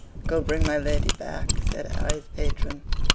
"Go, bring my lady back," said Harry's patron.